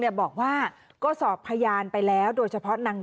แล้วก็มีรายงานว่าล่างสุดศาลจังหวัดพัทธรุง